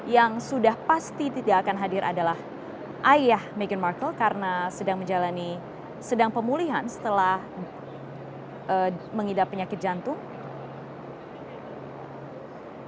yang sudah pasti tidak akan hadir adalah ayah meghan markle karena sedang menjalani sedang pemulihan setelah mengidap penyakit jantung